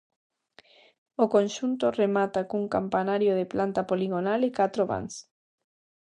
O conxunto remata cun campanario de planta poligonal e catro vans.